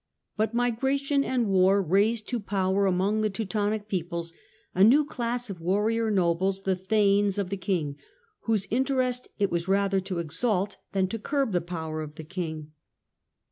But migration and war raised to power among the Teutonic peoples a new class of warrior nobles, the " thegns " of the king, whose inter est it was rather to exalt than to curb the power of the king.